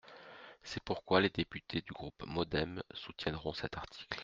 C’est pourquoi les députés du groupe MODEM soutiendront cet article.